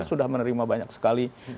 sudah menerima banyak sekali